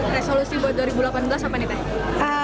resolusi buat dua ribu delapan belas apa nih teh